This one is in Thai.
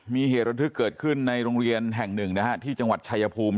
มีเหตุรัติศึกเกิดขึ้นในโรงเรียนแห่ง๑ที่จังหวัดชัยภูมิ